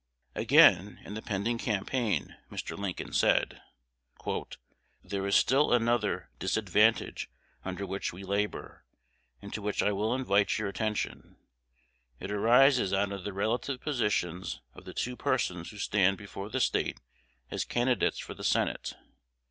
Again, in the pending campaign, Mr. Lincoln said, "There is still another disadvantage under which we labor, and to which I will invite your attention. It arises out of the relative positions of the two persons who stand before the State as candidates for the Senate.